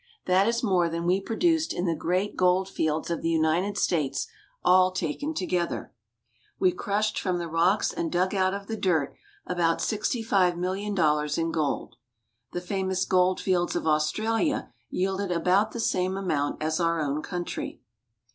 That is more than we produced in the great gold fields of the United States all taken together. We crushed from the rocks and dug out of the dirt about $65,000,000 in gold. The famous gold fields of Australia yielded about the same amount as our own country.